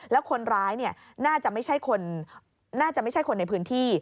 แล้วคนร้ายน่าจะไม่ใช่คนในพื้นที่